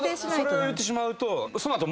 それを言ってしまうとその後。